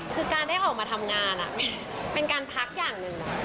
คือการได้ออกมาทำงานเป็นการพักอย่างหนึ่ง